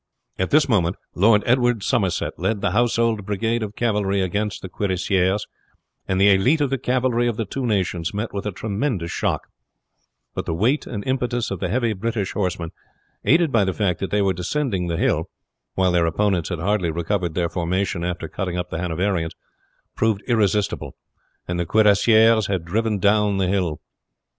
At this moment Lord Edward Somerset led the house hold brigade of cavalry against the cuirassiers, and the élite of the cavalry of the two nations met with a tremendous shock; but the weight and impetus of the heavy British horsemen, aided by the fact that they were descending the hill, while their opponents had hardly recovered their formation after cutting up the Hanoverians, proved irresistible, and the cuirassiers were driven down the hill.